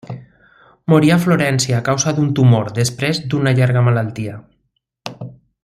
Morí a Florència, a causa d'un tumor, després, d'una llarga malaltia.